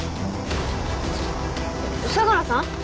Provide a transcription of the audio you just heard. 相良さん？